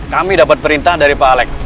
kami dapat perintah dari pak alex